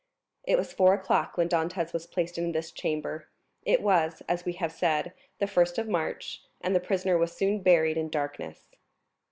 It was four o'clock when Dantès was placed in this chamber. It was, as we have said, the 1st of March, and the prisoner was soon buried in darkness.